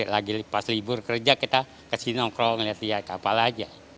lagi pas libur kerja kita kesini nongkrong lihat lihat kapal aja